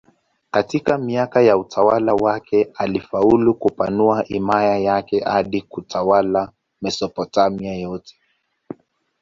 Katika miaka ya utawala wake alifaulu kupanua himaya yake hadi kutawala Mesopotamia yote.